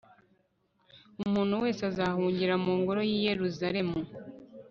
umuntu wese uzahungira mu ngoro y'i yeruzalemu